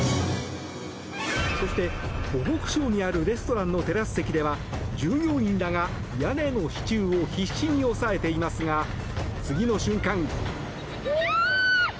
そして、湖北省にあるレストランのテラス席では従業員らが屋根の支柱を必死に押さえていますが次の瞬間。